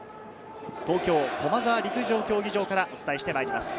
東京・駒沢陸上競技場からお伝えしてまいります。